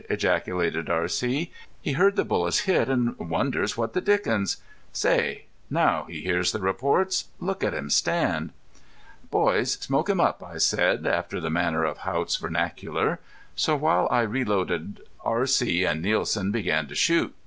ejaculated R.C. "He heard the bullets hit and wonders what the dickens.... Say, now he hears the reports! Look at him stand!" "Boys, smoke him up," I said, after the manner of Haught's vernacular. So while I reloaded R.C. and Nielsen began to shoot.